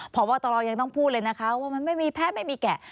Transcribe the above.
พบตรยังต้องพูดเลยนะคะว่ามันไม่มีแพ้ไม่มีแกะ